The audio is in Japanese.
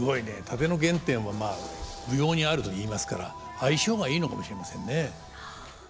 殺陣の原点はまあ舞踊にあるといいますから相性がいいのかもしれませんね。